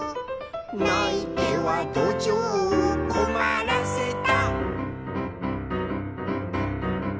「ないてはどじょうをこまらせた」